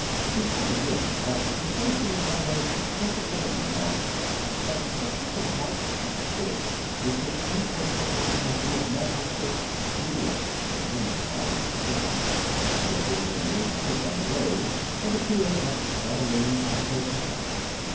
She felt again that sensation of almost physical nausea that sickness of heart and spirit which had come over her when she had met her first sneer and intolerant shrug. It had been her maiden trip on the road for the T.A. Buck Featherloom Petticoat Company.